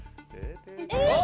えっ。